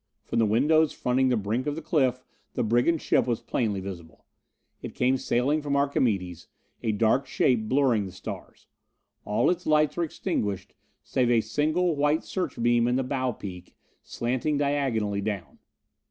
From the windows fronting the brink of the cliff the brigand ship was plainly visible. It came sailing from Archimedes, a dark shape blurring the stars. All its lights were extinguished save a single white search beam in the bow peak, slanting diagonally down.